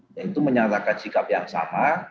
yaitu menyatakan sikap yang sama